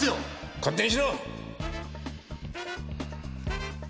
勝手にしろ！